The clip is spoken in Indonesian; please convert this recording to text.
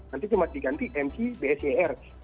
nanti cuma diganti mc bser